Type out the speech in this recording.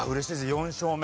４勝目。